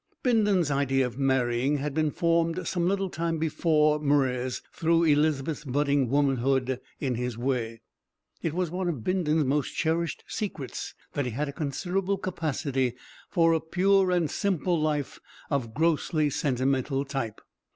Bindon's idea of marrying had been formed some little time before Mwres threw Elizabeth's budding womanhood in his way. It was one of Bindon's most cherished secrets that he had a considerable capacity for a pure and simple life of a grossly sentimental type.